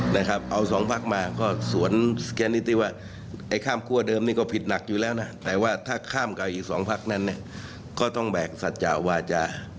ถ้าข้ามกับอีก๒พักนั้นก็ต้องแบกสัตว์จาวาจา